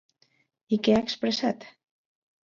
I què ha expressat?